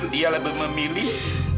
dia lebih memilih